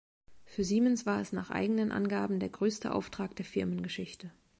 Für Siemens war es nach eigenen Angaben der größte Auftrag der Firmengeschichte.